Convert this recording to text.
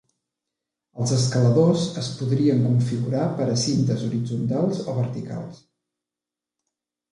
Els escaladors es podrien configurar per a cintes horitzontals o verticals.